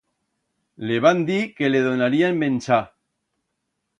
Le van dir que le donarían menchar.